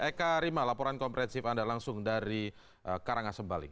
eka rima laporan kompresif anda langsung dari karangasembaling